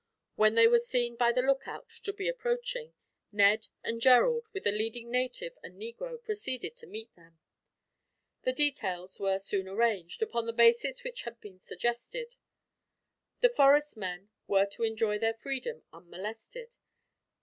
When they were seen by the lookout to be approaching, Ned and Gerald, with the leading native and negro, proceeded to meet them. The details were soon arranged, upon the basis which had been suggested. The forest men were to enjoy their freedom, unmolested.